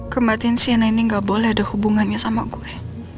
kematian siana ini gak boleh ada hubungannya sama gue